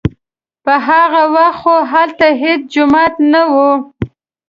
په هغه وخت خو هلته هېڅ جومات نه و.